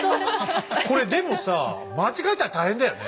これでもさ間違えたら大変だよね。